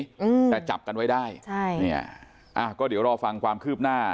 อืมแต่จับกันไว้ได้ใช่เนี้ยอ่าก็เดี๋ยวรอฟังความคืบหน้า